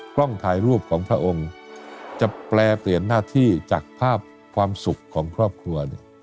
กล้องถ่ายรูปของพระองค์จะแปรเปลี่ยนหน้าที่จากภาพความสุขของครอบครัว